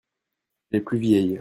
Les plus vielles.